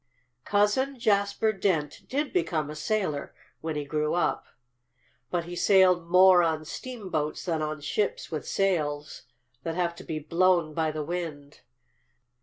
"Cousin Jasper Dent did become a sailor, when he grew up. But he sailed more on steamboats than on ships with sails that have to be blown by the wind.